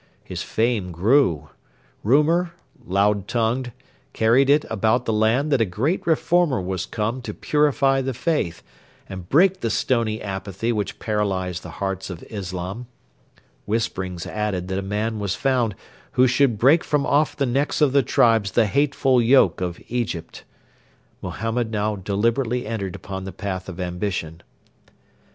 His fame grew. Rumour, loud tongued, carried it about the land that a great Reformer was come to purify the faith and break the stony apathy which paralysed the hearts of Islam. Whisperings added that a man was found who should break from off the necks of the tribes the hateful yoke of Egypt. Mohammed now deliberately entered upon the path of ambition.